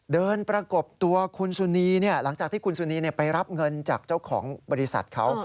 ประกบตัวคุณสุนีหลังจากที่คุณสุนีไปรับเงินจากเจ้าของบริษัทเขา